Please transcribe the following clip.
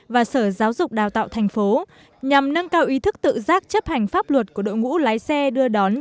và sở giáo dục đào tạo tp nhằm nâng cao ý thức tự giác chấp hành pháp luật của đội mũ lái xe đưa đón